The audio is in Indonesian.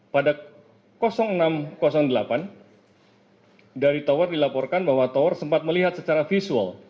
pada enam delapan dari tower dilaporkan bahwa tower sempat melihat secara visual